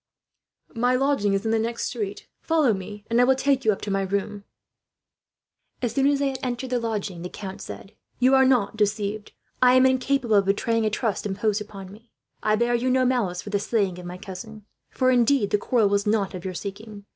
"My lodging is in the next street. Follow me, and I will take you up to my room." As soon as they had entered the lodging, the count said: "You are not deceived. I am incapable of betraying a trust imposed upon me. I bear you no malice for the slaying of my cousin; for indeed, the quarrel was not of your seeking.